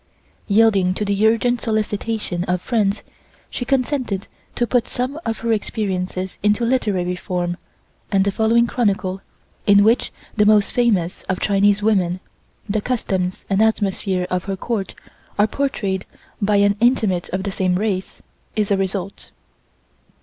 Yielding to the urgent solicitation of friends, she consented to put some of her experiences into literary form, and the following chronicle, in which the most famous of Chinese women, the customs and atmosphere of her Court are portrayed by an intimate of the same race, is a result.